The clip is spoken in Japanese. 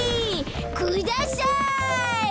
ください！